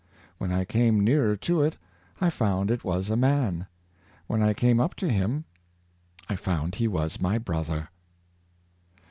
When I came nearer to it I found it was a man. When I came up to him I found he was my brother."